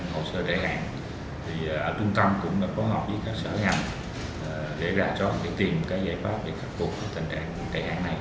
học sở đề hạng ở trung tâm cũng có hợp với các sở hành để ra chọn để tìm các giải pháp để khắc phục tình trạng đề hạng này